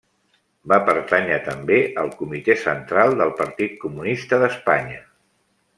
Va pertànyer també al Comitè Central del Partit Comunista d'Espanya.